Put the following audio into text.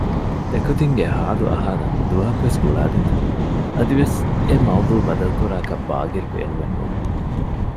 އެކުދިންގެ ޙާލު އަހާލަން ދުވަހަކުވެސް ގުޅާލިންތަ؟ އަދިވެސް އެ މަޥްޟޫޢު ބަދަލުކުރާކަށް ބާޤިރު ބޭނުމެއް ނޫން